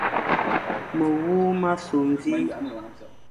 Mewur ma sukh mvi,